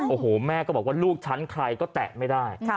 โอ้โหแม่ก็บอกว่าลูกฉันใครก็แตะไม่ได้